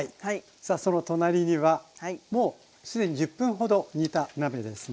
さあその隣にはもうすでに１０分ほど煮た鍋ですね。